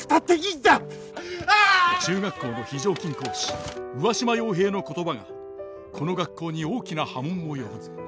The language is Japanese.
中学校の非常勤講師上嶋陽平の言葉がこの学校に大きな波紋を呼ぶ。